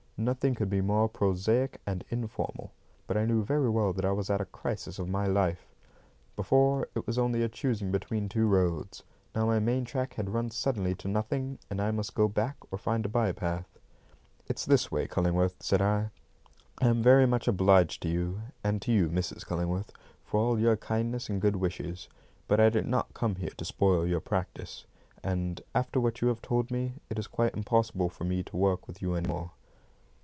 Nothing could be more prosaic and informal; but I knew very well that I was at a crisis of my life. Before, it was only a choosing between two roads. Now my main track had run suddenly to nothing, and I must go back or find a bye path. "It's this way, Cullingworth," said I. "I am very much obliged to you, and to you, Mrs. Cullingworth, for all your kindness and good wishes, but I did not come here to spoil your practice; and, after what you have told me, it is quite impossible for me to work with you any more."